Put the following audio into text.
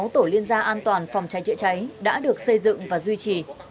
một sáu trăm tám mươi sáu tổ liên gia an toàn phòng cháy chữa cháy đã được xây dựng và duy trì